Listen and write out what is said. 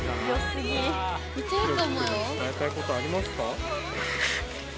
君に伝えたいことありますか？